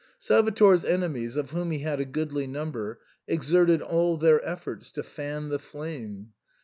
Salvator's enemies, of whom he had a goodly number, exerted all their efforts to fan the flame.